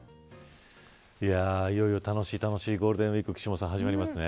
いよいよ楽しい楽しいゴールデンウイーク岸本さん始まりますね。